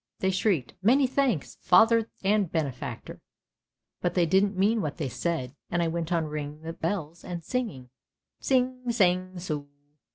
They shrieked ' Many thanks, Father and benefactor,' but they didn't mean what they said, and I went on ringing the bells and singing ' Tsing, tsang, tsu!